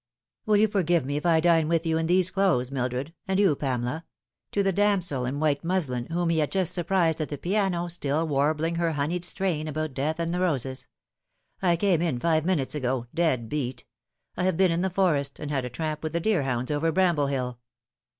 " Will you forgive me if I dine with you in these clothes, Mildred, and you, Pamela ?" to the damsel in white muslin, whom he had just surprised at the piano still warbling her honeyed strain about death and the roses; "I came in five minutes ago dead beat. I have been in the forest, and had a tramp with the deerhounds over Bramble Hill."